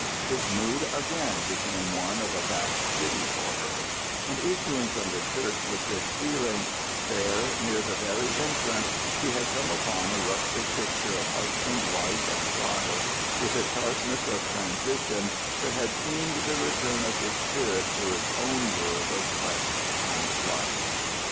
His mood again became one of vast pity for her; and issuing from the church with this feeling, there, near the very entrance, he had come upon a rustic picture of husband, wife, and child, with a sharpness of transition that had seemed the return of his spirit to its own world of flesh and blood.